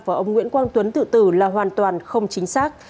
và ông nguyễn quang tuấn tự tử là hoàn toàn không chính xác